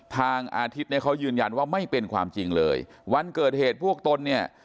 ทางอาทิตย์เนี่ยเขายืนยันว่าไม่เป็นความจริงเลยวันเกิดเหตุพวกตนเนี่ย